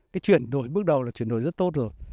cái chuyển đổi bước đầu là chuyển đổi rất tốt rồi